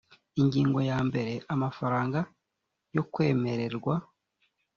ingingo yambere amafaranga yo kwemererwa